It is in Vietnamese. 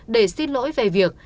để xin lỗi về việc